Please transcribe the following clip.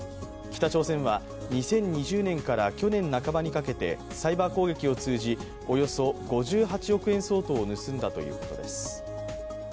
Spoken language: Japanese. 北朝鮮は２０２０年から去年半ばにかけてサイバー攻撃を通じおよそ５８億円相当を盗んだということです。